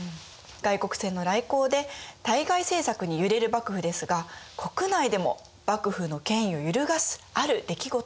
外国船の来航で対外政策に揺れる幕府ですが国内でも幕府の権威を揺るがすある出来事が起こります。